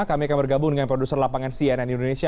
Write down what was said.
kami akan bergabung dengan produser lapangan cnn indonesia